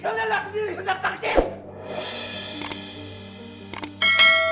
kalian lihat sendiri sedang sakit